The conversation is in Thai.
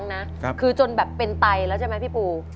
รายการต่อไปนี้เป็นรายการทั่วไปสามารถรับชมได้ทุกวัย